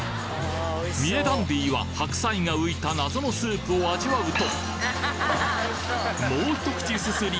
三重ダンディーは白菜が浮いた謎のスープを味わうともうひと口すすり